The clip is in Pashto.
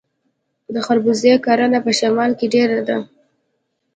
د خربوزې کرنه په شمال کې ډیره ده.